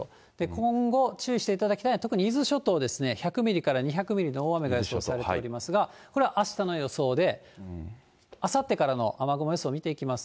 今後注意していただきたいのは、特に伊豆諸島ですね、１００ミリから２００ミリの大雨が予想されておりますが、これはあしたの予想で、あさってからの雨雲予想を見ていきます。